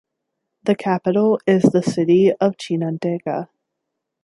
The capital is the city of Chinandega.